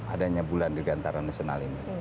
adanya bulan dirgantara nasional ini